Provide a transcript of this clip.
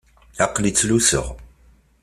Aql-i ttluseɣ.